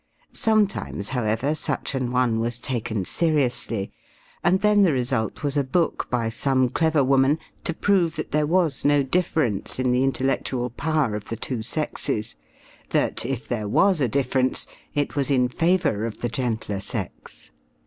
Sometimes, however, such an one was taken seriously, and then the result was a book by some clever woman to prove that there was no difference in the intellectual power of the two sexes that, if there was a difference, it was in favor of the gentler sex.